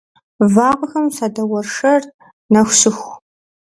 Вагъуэхэм садоуэршэр нэху щыху.